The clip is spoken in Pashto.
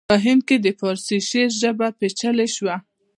په هند کې د پارسي شعر ژبه پیچلې شوه